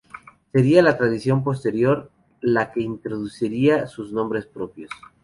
Sería la tradición posterior la que introduciría sus nombres propios.